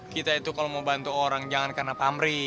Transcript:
kita itu kalau mau bantu orang jangan karena pamri